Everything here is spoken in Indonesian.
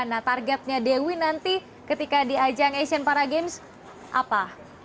nah targetnya dewi nanti ketika di ajang asian para games apa